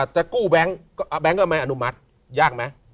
แต่กู้แบงก้มแบงก็ไม่อนุมัติยากไหม